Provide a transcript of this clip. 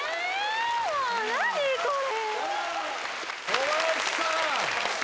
小林さん。